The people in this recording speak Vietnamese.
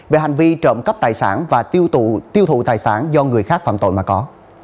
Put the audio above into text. về hành vi trộm cắp tài sản và tiêu thụ tài sản do người khác phạm tội mà có